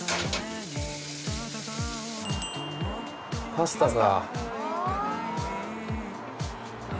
パスタか。